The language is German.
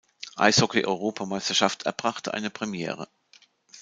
Eishockey-Europameisterschaft erbrachte eine Premiere.